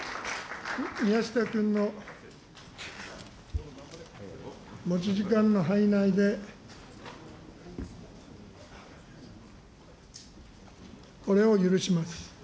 宮下君の持ち時間の範囲内で、これを許します。